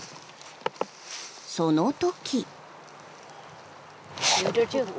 その時。